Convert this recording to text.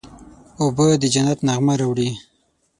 اوبه د جنت نغمه راوړي.